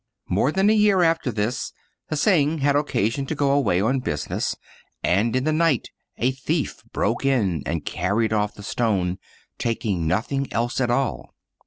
More than a year after this, Hsing had occasion to go away on business, and in the night a thief broke in and car ried off the stone, taking nothing else at all.